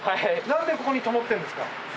何でここにともっているんですか？